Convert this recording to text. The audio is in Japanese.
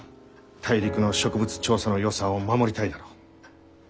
大陸の植物調査の予算を守りたいだろう？